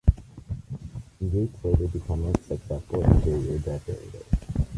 Gates later became a successful interior decorator.